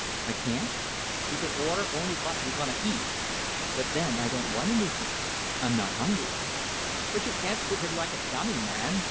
"I can't?" "You can't order only vot you gonna eat." "But then, I don't want anything. I'm not hungry." "But you can't sit here like a dummy, man!"